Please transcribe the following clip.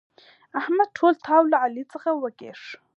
احمد ټول تاو له علي څخه وکيښ.